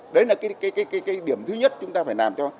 đấy là cái điểm thứ nhất chúng ta phải làm cho